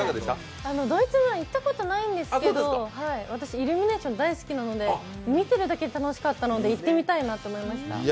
ドイツ村、行ったことないんですけど、イルミネーション大好きなので見てるだけで楽しかったので行ってみたいなと思いました。